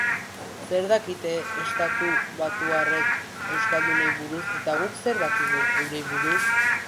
Zer dakite estatubatuarrek euskaldunei buruz eta guk zer dakigu eurei buruz?